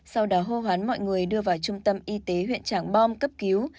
sau đó hô hoán mọi người đưa vào trung tâm y tế huyện trảng bom cấp cứu